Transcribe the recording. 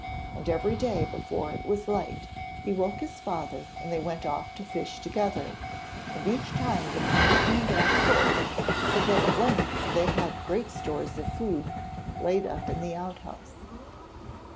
And every day before it was light, he woke his father and they went off to fish together, and each time the canoe came back full, so that at length they had great stores of food laid up in the outhouse.